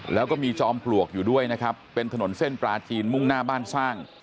แล้วก็มีจอมปลวกอยู่ด้วยนะครับเป็นถนนเส้นปลาจีนมุ่งหน้าบ้านสร้าง